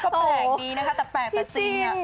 มากกกแปลกแต่จริง